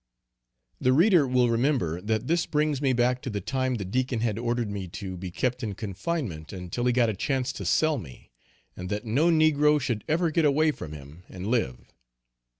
_ The reader will remember that this brings me back to the time the Deacon had ordered me to be kept in confinement until he got a chance to sell me, and that no negro should ever get away from him and live.